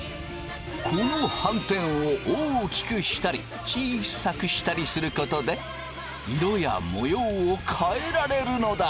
この斑点を大きくしたり小さくしたりすることで色や模様を変えられるのだ。